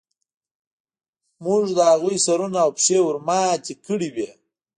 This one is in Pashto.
موږ د هغوی سرونه او پښې ورماتې کړې وې